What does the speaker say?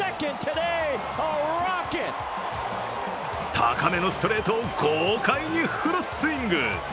高めのストレートを豪快にフルスイング。